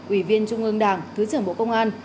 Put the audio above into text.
ủy viên trung ương đảng thứ trưởng bộ công an